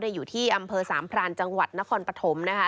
อยู่ที่อำเภอสามพรานจังหวัดนครปฐมนะคะ